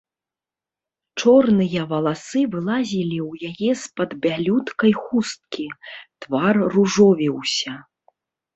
Чорныя валасы вылазілі ў яе з-пад бялюткай хусткі, твар ружовіўся.